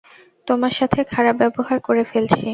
তোমার সাথে খারাপ ব্যাবহার করে ফেলছি।